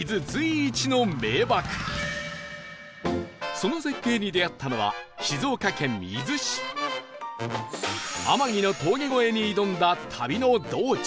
その絶景に出会ったのは天城の峠越えに挑んだ旅の道中